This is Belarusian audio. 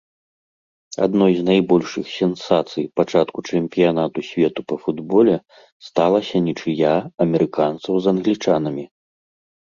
Адной з найбольшых сенсацый пачатку чэмпіянату свету па футболе сталася нічыя амерыканцаў з англічанамі.